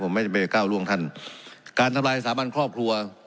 ผมไม่ได้ไปก้าวร่วงท่านการทำลายสถาบันครอบครัว